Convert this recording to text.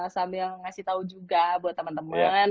sambil ngasih tahu juga buat temen temen